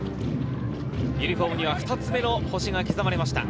ユニホームには２つ目の星が刻まれました。